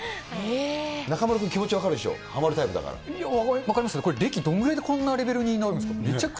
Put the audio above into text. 中丸君、気持ちわかるでしょ分かりますね、これ、歴どれぐらいでこんなレベルになるんですか。